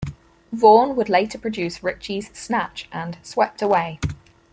Vaughn would later produce Ritchie's "Snatch" and "Swept Away".